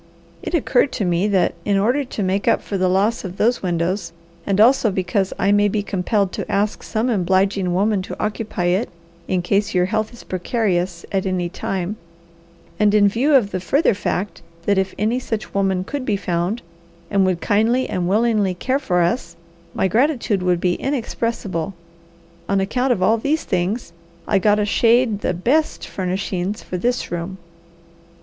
It occurred to me that, in order to make up for the loss of those windows, and also because I may be compelled to ask some obliging woman to occupy it in case your health is precarious at any time, and in view of the further fact that if any such woman could be found, and would kindly and willingly care for us, my gratitude would be inexpressible; on account of all these things, I got a shade the BEST furnishings for this room."